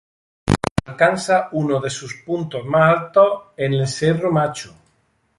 Alcanza uno de sus puntos más altos en el cerro Macho.